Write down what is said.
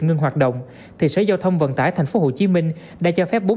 ngưng hoạt động thì sở giao thông vận tải tp hcm đã cho phép